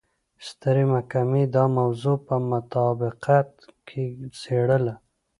سترې محکمې دا موضوع په مطابقت کې څېړله.